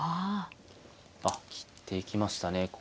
あっ切っていきましたね。